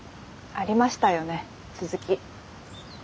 ありましたよね続き。